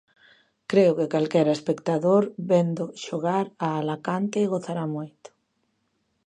Creo que calquera espectador, vendo xogar a Alacante, gozará moito.